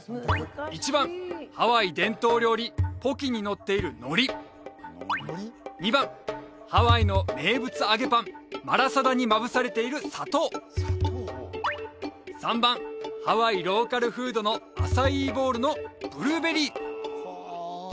１番ハワイ伝統料理ポキにのっている「ノリ」２番ハワイの名物揚げパンマラサダにまぶされている「砂糖」３番ハワイローカルフードのさあ